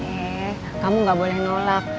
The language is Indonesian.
eh kamu gak boleh nolak